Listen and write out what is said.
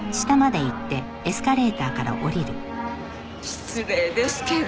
失礼ですけど。